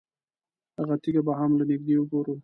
هغه تیږه به هم له نږدې وګورو.